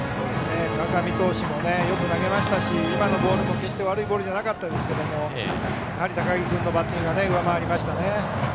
川上投手もよく投げましたし今のボールも決して悪いボールじゃなかったんですが高木君のバッティングが上回りましたね。